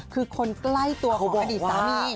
คือคนใกล้ตัวของอดีตสามี